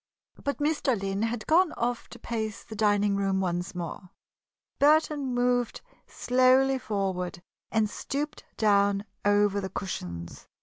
But Mr. Lynn had gone off to pace the dining room once more. Burton moved slowly forward and stooped down over the cushions.